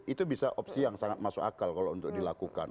itu bisa opsi yang sangat masuk akal kalau untuk dilakukan